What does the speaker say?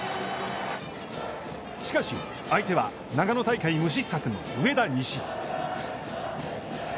しかし、相手は長野大会無失策の上田西。